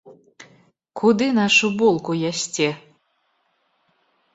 Куды нашу булку ясце?